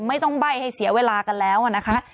ไม่ต้องใบ้ให้เสียเวลากันแล้วนะคะ